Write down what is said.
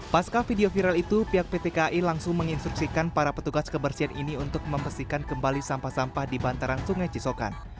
pasca video viral itu pihak pt kai langsung menginstruksikan para petugas kebersihan ini untuk membersihkan kembali sampah sampah di bantaran sungai cisokan